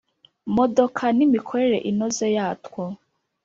modoka n imikorere inoze yatwo